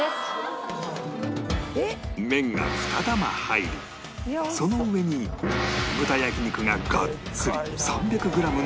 麺が２玉入りその上に豚焼肉がガッツリ３００グラムのった